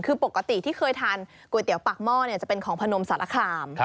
คือปกติที่เคยทานก๋วยเตี๋ยวปากหม้อจะเป็นของพนมสารคาม